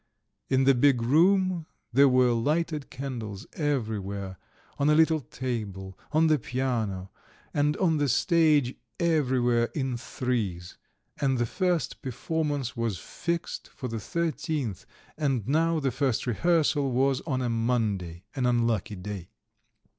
In the big room there were lighted candles everywhere, on a little table, on the piano, and on the stage, everywhere in threes; and the first performance was fixed for the thirteenth, and now the first rehearsal was on a Monday, an unlucky day.